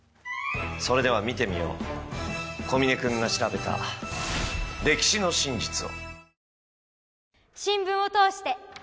それでは見てみよう小峰君が調べた歴史の真実を。